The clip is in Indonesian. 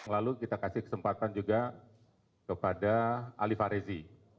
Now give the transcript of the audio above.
lalu kita kasih kesempatan juga kepada alif arezi